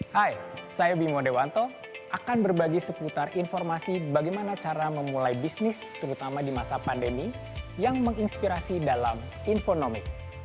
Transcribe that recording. hai saya bimo dewanto akan berbagi seputar informasi bagaimana cara memulai bisnis terutama di masa pandemi yang menginspirasi dalam infonomi